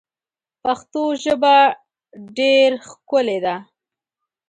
پښتو ژبه ډیر ښکلی ده.